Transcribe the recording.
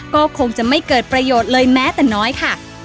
ก็คงจะไม่เกิดประโยชน์เลยแม้แต่น้อยค่ะ